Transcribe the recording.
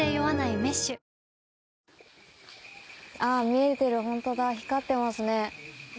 見えてるホントだ光ってますね。